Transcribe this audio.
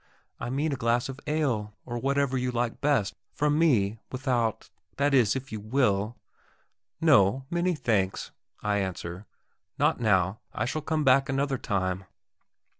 "I mean a glass of ale, or whatever you like best ... from me ... without ... that is, if you will...." "No; many thanks," I answer. "Not now; I shall come back another time."